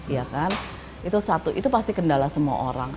itu satu itu pasti kendala semua orang